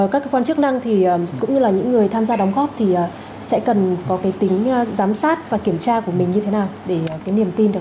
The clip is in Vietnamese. các cơ quan chức năng thì cũng như là những người tham gia đóng góp thì sẽ cần có cái tính giám sát và kiểm tra của mình như thế nào